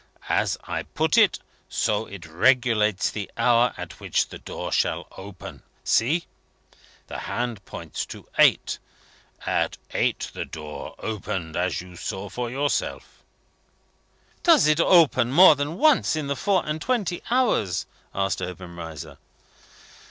As I put it, so it regulates the hour at which the door shall open. See! The hand points to eight. At eight the door opened, as you saw for yourself." "Does it open more than once in the four and twenty hours?" asked Obenreizer.